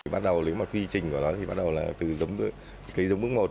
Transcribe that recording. bắt đầu lấy một quy trình của nó thì bắt đầu là từ giống bước một